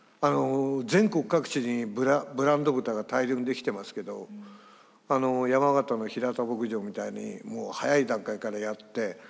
全国各地にブランド豚が大量に出来てますけど山形の平田牧場みたいにもう早い段階からやって。